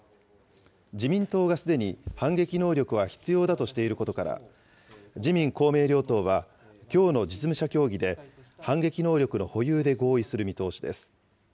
自民党がすでに反撃能力は必要だとしていることから、自民、公明両党はきょうの実務者協議で、反撃能力の保有で合意する見通しです。